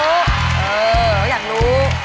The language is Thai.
เราอยากรู้